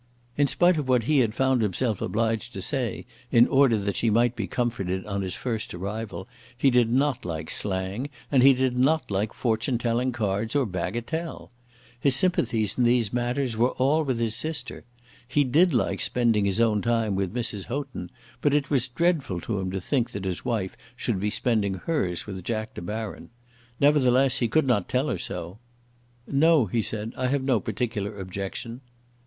In spite of what he had found himself obliged to say, in order that she might be comforted on his first arrival, he did not like slang, and he did not like fortune telling cards or bagatelle. His sympathies in these matters were all with his sister. He did like spending his own time with Mrs. Houghton, but it was dreadful to him to think that his wife should be spending hers with Jack De Baron. Nevertheless he could not tell her so. "No," he said, "I have no particular objection."